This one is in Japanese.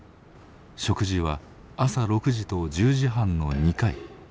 食事は朝６時と１０時半の２回。